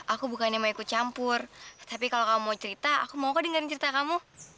aku bukannya mau ikut campur tapi kalau kamu mau cerita aku mau kau dengerin cerita kamu